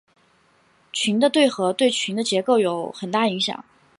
群的对合对群的结构有很大影响。